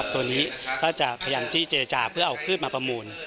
ตัวนี้ก็จะพยายามที่เจรจาเพื่อเอาพืชมาประมูล